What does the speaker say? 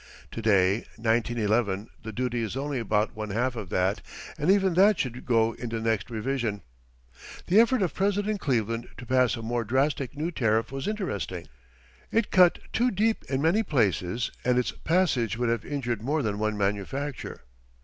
[To day (1911) the duty is only about one half of that, and even that should go in the next revision.] The effort of President Cleveland to pass a more drastic new tariff was interesting. It cut too deep in many places and its passage would have injured more than one manufacture.